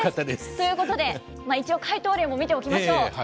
ということで、一応解答例も見ておきましょう。